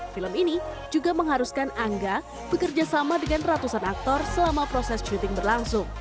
film ini juga mengharuskan angga bekerja sama dengan ratusan aktor selama prosesnya